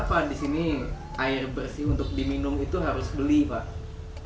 pak di sini air bersih untuk diminum itu harus beli pak